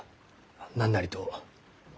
何なりと。